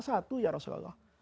satu ya rasulullah